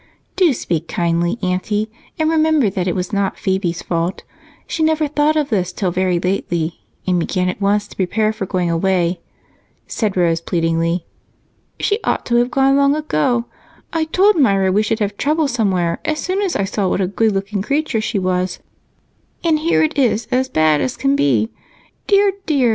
"Do speak kindly, Aunty, and remember that it was not Phebe's fault. She never thought of this till very lately and began at once to prepare for going away," said Rose pleadingly. "She ought to have gone long ago. I told Myra we should have trouble somewhere as soon as I saw what a good looking creature she was, and here it is as bad as can be. Dear, dear!